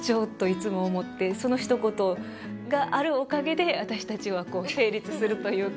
そのひと言があるおかげで私たちはこう成立するというか。